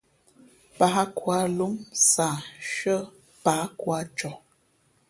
Pǎh khu ā lǒm sah nshʉ́ά pǎh khu ā coh.